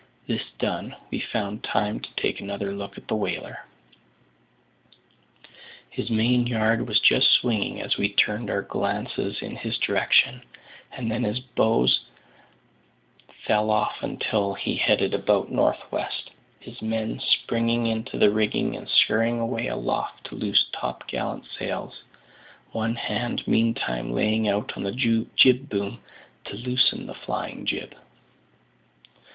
This done, we found time to take another look at the whaler. His main yard was just swinging as we turned our glances in his direction, and then his bows fell off until he headed about north west; his men springing into the rigging and scurrying away aloft to loose topgallant sails, one hand meantime laying out on the jib boom to loosen the flying jib.